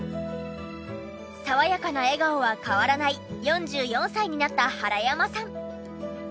爽やかな笑顔は変わらない４４歳になった原山さん。